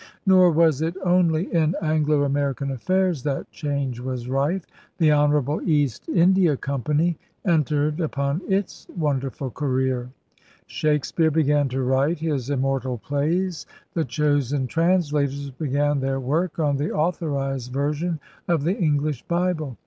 Nor was it only in Anglo American affairs that change was rife. 'The Honourable East India 216 ELIZABETHAN SEA DOGS Company' entered upon its wonderful career. Shakespeare began to write his immortal plays. The chosen translators began their work on the Authorized Version of the English Bible.